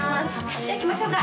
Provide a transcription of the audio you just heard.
じゃあ行きましょうか。